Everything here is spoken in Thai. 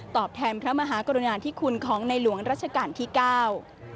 แทนพระมหากรุณาธิคุณของในหลวงรัชกาลที่เก้า